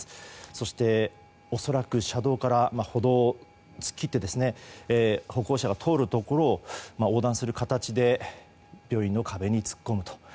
そして、恐らく車道から歩道を突っ切って歩行者が通るところを横断する形で病院の壁に突っ込みました。